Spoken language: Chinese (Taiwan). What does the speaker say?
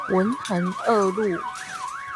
文橫二路